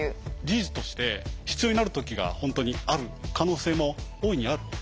事実として必要になる時が本当にある可能性も大いにある。